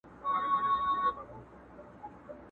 نن زندان پر ماتېدو دی!.